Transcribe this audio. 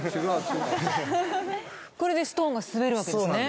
これでストーンが滑るわけですね。